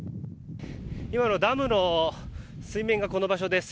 今のダムの水面がこの場所です。